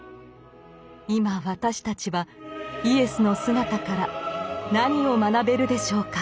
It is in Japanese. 今私たちはイエスの姿から何を学べるでしょうか。